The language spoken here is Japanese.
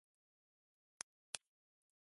最後に君が見たのは、きらきらと輝く無数の瞳であった。